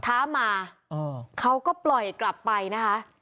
ท้ามาเขาก็ปล่อยกลับไปนะคะ